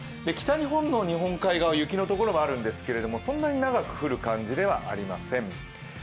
北日本の日本海側、雪の所もあるんですけれどもそんなに長く降る感じではありません。